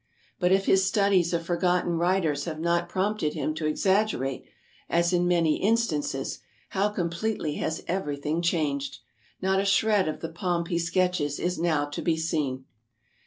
But if his studies of forgot ten writers have not prompted him to exaggerate, as in many instances, how completely has everything changed! Not a shred of the pomp he sketches is now to be seen.